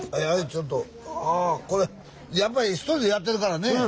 やっぱり一人でやってるからね。